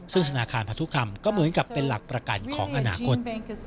ซึ่งธนาคารพันธุธรรมก็เหมือนกับเป็นหลักประกันของอนาคต